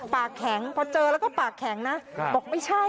ปากแข็งพอเจอแล้วก็ปากแข็งนะบอกไม่ใช่